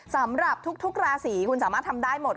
สำหรับทุกราศีคุณสามารถทำได้หมด